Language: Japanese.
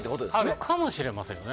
あるかもしれませんよね。